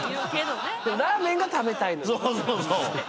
ラーメンが食べたいのにって。